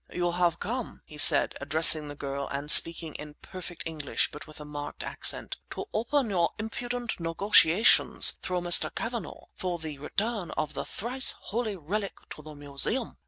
"You have come," he said, addressing the girl and speaking in perfect English but with a marked accent, "to open your impudent negotiations through Mr. Cavanagh for the return of the thrice holy relic to the Museum!